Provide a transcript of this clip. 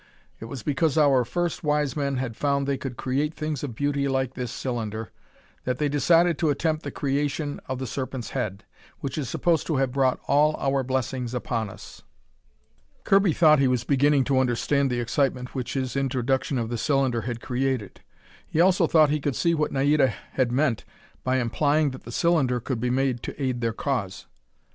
It was because our first wise men had found they could create things of beauty like this cylinder, that they decided to attempt the creation of the Serpent's head, which is supposed to have brought all of our blessings upon us." Kirby thought he was beginning to understand the excitement which his introduction of the cylinder had created. He also thought he could see what Naida had meant by implying that the cylinder could be made to aid their cause.